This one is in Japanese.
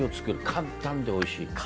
簡単でおいしい。